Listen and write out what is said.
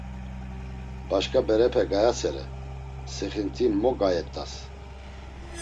Başǩa berepe gayasere, sixinti mo gayet̆as.